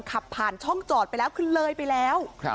ขับผ่านช่องจอดไปแล้วคือเลยไปแล้ว